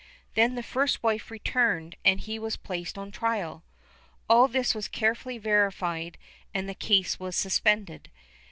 Then the first wife returned and he was placed on trial. All this was carefully verified and the case was suspended.